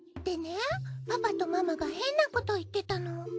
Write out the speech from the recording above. でねパパとママが変なこと言ってたの。